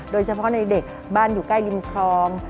โดยเฉพาะในเด็กบ้านอยู่ใกล้ริมคลอง